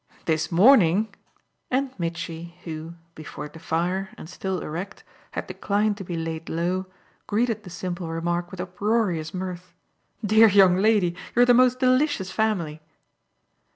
"This morning?" and Mitchy, who, before the fire and still erect, had declined to be laid low, greeted the simple remark with uproarious mirth. "Dear young lady, you're the most delicious family!"